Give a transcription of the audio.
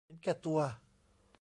เห็นแก่ตัว